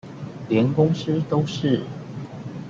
連公司都是？